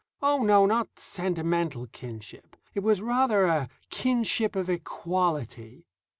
Oh, no, not sentimental kinship. It was, rather, a kinship of equality.